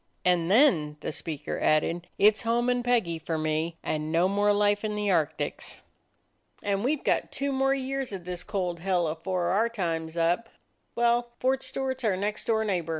And then," the speaker added, "it 's home and Peggy for me, and no more life in the Arctics." "And we 've got two more years of this cold hell afore our time 's up. Well, Fort Stewart 's our next door neighbor.